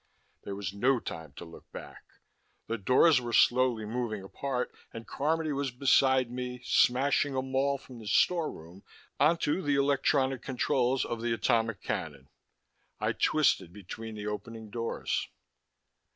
There was no time to look back. The doors were slowly moving apart and Carmody was beside me, smashing a maul from the storeroom onto the electronic controls of the atomic cannon. I twisted between the opening doors.